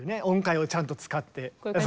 音階をちゃんと使って。